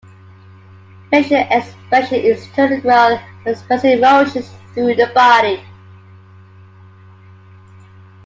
Facial expression is integral when expressing emotions through the body.